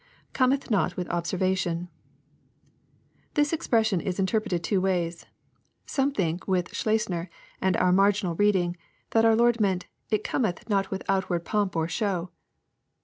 [Cometh not with observation.] This expression is interpreted two ways. — Some think, witli Schleusner and our marginal read ing, that our Lord meant, " it cometh not with outward pomp or show."